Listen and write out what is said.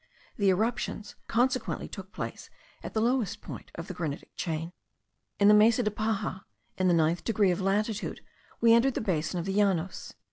The eruptions consequently took place at the lowest point of the granitic chain. In the Mesa de Paja, in the ninth degree of latitude, we entered the basin of the Llanos.